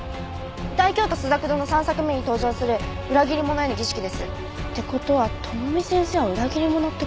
『大京都朱雀堂』の３作目に登場する裏切り者への儀式です。って事は智美先生は裏切り者って事？